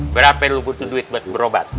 berapa lo butuh duit buat berobat